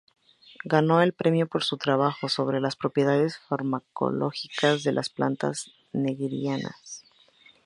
Ganó el premio por su trabajo sobre las propiedades farmacológicas de las plantas nigerianas.